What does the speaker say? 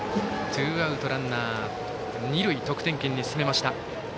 ツーアウトランナー、二塁得点圏に進めました。